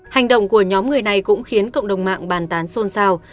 hành động của nhóm người này cũng khiến cộng đồng mạng bàn tán xôn xao